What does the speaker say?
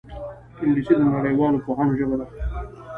انګلیسي د نړیوالو پوهانو ژبه ده